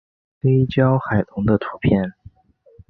黑胶海龙的图片